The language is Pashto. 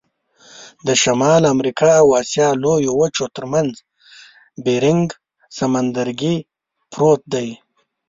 د شمال امریکا او آسیا لویو وچو ترمنځ بیرنګ سمندرګي پروت دی.